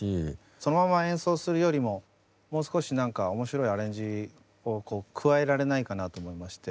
そのまま演奏するよりももう少し何か面白いアレンジを加えられないかなと思まして。